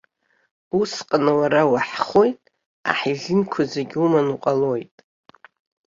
Усҟан уара уаҳхоит, аҳ изинқәа зегьы уманы уҟалоит.